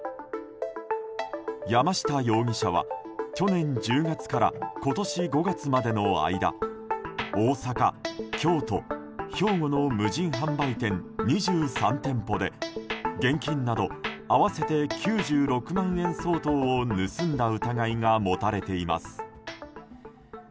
山下容疑者は去年１０月から今年５月までの間大阪、京都、兵庫の無人販売店２３店舗で現金など合わせて９６万円相当を盗んだ疑いが持たれています。